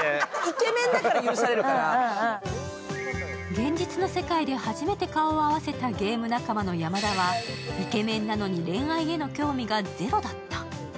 現実の世界で初めて顔を合わせたゲーム仲間の山田はイケメンなのに恋愛への興味がゼロだった。